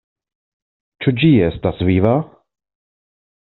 Ĉu ĝi estas viva?